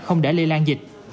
không để lây lan dịch